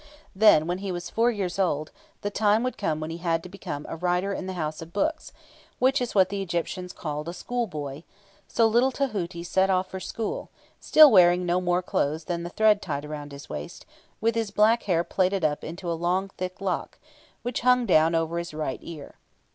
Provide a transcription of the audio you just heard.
Then, when he was four years old, the time came when he had to become "a writer in the house of books," which is what the Egyptians called a school boy; so little Tahuti set off for school, still wearing no more clothes than the thread tied round his waist, and with his black hair plaited up into a long thick lock, which hung down over his right ear.